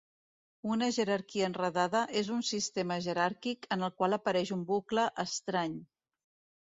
Una jerarquia enredada és un sistema jeràrquic en el qual apareix un bucle estrany.